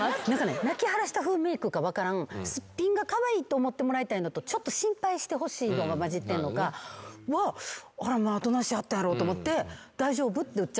泣き腫らした風メークか分からんすっぴんがカワイイと思ってもらいたいのとちょっと心配してほしいのが交じってんのかあらまあどないしはったんやろと思って。